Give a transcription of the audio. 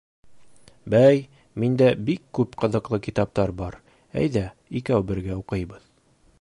— Бәй, миндә бик күп ҡыҙыҡлы китаптар бар, әйҙә, икәү бергә уҡыйбыҙ!